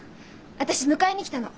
私迎えに来たの。